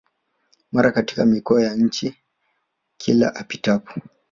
mara katika mikoa ya nchi Kila apitapo